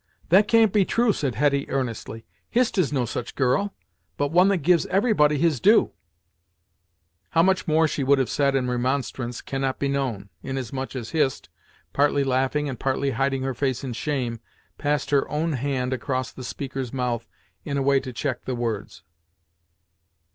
"That can't be true!" said Hetty earnestly. "Hist is no such girl, but one that gives every body his due " How much more she would have said in remonstrance cannot be known, inasmuch as Hist, partly laughing and partly hiding her face in shame, passed her own hand across the speaker's mouth in a way to check the words.